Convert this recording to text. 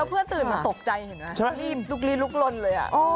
เพื่อนตื่นมาตกใจเห็นไหมรีบลุกลีดลุกลนเลย